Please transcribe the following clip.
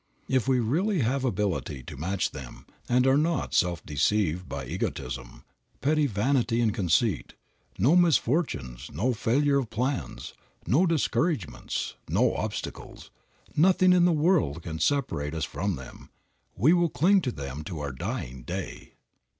If we really have ability to match them, and are not self deceived by egotism, petty vanity and conceit, no misfortunes, no failure of plans, no discouragements, no obstacles, nothing in the world can separate us from them. We will cling to them to our dying day.